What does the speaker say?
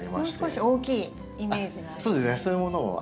もう少し大きいイメージがあります。